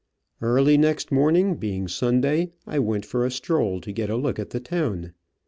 Early next morning, being Sunday, I went for a stroll to get a look at the town.